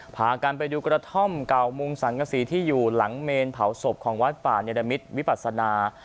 พากันไปดูกระท่อมเก่ามุงสังกษีที่อยู่หลังเมนเผาศพของวัดป่าเนรมิตวิปัสนา